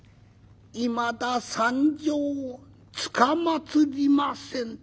「いまだ参上つかまつりません」。